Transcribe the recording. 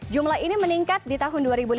jumlah ini meningkat di tahun dua ribu lima belas